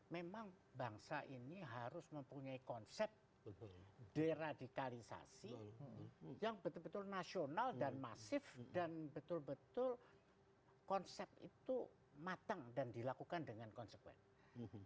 memang bangsa ini harus mempunyai konsep deradikalisasi yang betul betul nasional dan masif dan betul betul konsep itu matang dan dilakukan dengan konsekuensi